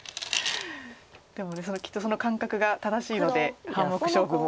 でもきっとその感覚が正しいので半目勝負も。